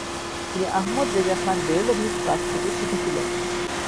তিনি আহমদ রেজা খান বেরলভীর কাছ থেকে শিখেছিলেন।